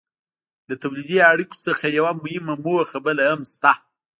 له تولیدي اړیکو څخه یوه مهمه موخه بله هم شته.